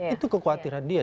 itu kekhawatiran dia